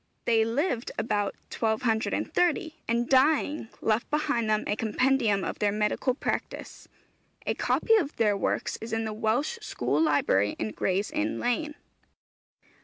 They lived about 1230, and dying, left behind them a compendium of their medical practice. 'A copy of their works is in the Welsh School Library in Gray's Inn Lane.'